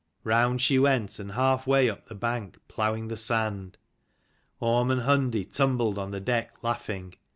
Round she went, and half way up the bank ploughing the sand. Orm and Hundi tumbled on the deck laughing.